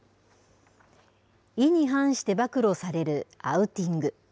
意に反して暴露されるアウティング。